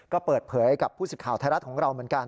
ก็เปิดเผยกับผู้สิทธิ์ข่าวไทยรัฐของเราเหมือนกัน